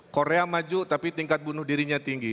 korea maju tapi tingkat bunuh dirinya tinggi